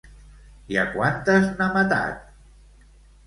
I a quantes n'ha matat?